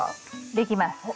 できます。